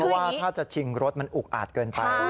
ว่าถ้าจะชิงรถมันอุกอาจเกินไป